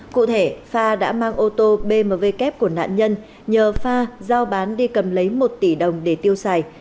cụ thể pha đã mang ô tô bmw kép của nạn nhân nhờ pha giao bán đi cầm lấy một tỷ đồng để tiêu xài